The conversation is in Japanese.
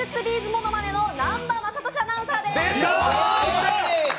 ものまねの南波雅俊アナウンサーです！